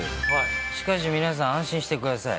しかし皆さん、安心してください。